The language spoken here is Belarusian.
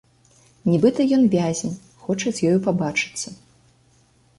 Нібыта ён вязень, хоча з ёю пабачыцца.